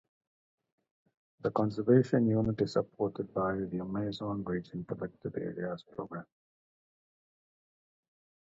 The conservation unit is supported by the Amazon Region Protected Areas Program.